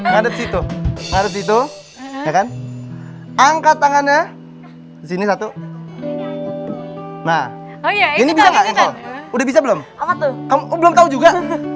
ngadep situ angkat tangannya sini satu nah ini udah bisa belum kamu belum tahu juga